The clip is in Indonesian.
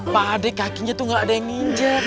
pak d kakinya tuh gak ada yang nginjek